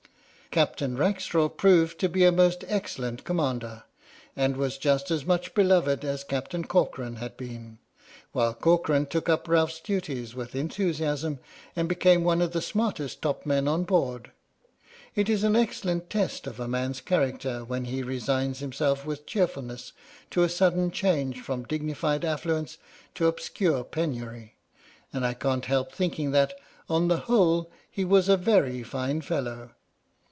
Captain Rackstraw proved to be a most excellent Commander, and was just as much beloved as Cap tain Corcoran had been, while Corcoran took up Ralph's duties with enthusiasm, and became one of the smartest top men on board. It is an excellent test of a man's character when he resigns himself with cheerfulness to a sudden change from dignified 130 H.M.S. "PINAFORE" affluence to obscure penury, and I can't help think ing that, on the whole, he was a very fine fellow.